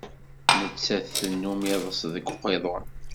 Nettat tennum iḍes deg uqiḍun.